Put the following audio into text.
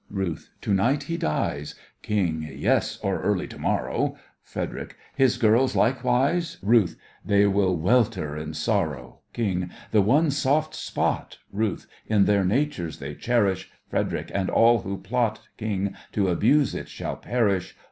RUTH: To night he dies! KING: Yes, or early to morrow. FREDERIC: His girls likewise? RUTH: They will welter in sorrow. KING: The one soft spot RUTH: In their natures they cherish— FREDERIC: And all who plot KING: To abuse it shall perish!